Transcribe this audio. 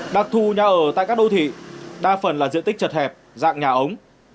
đặc thù nhà ở tại các đô thị đa phần là diện tích chật hẹp dạng nhà ống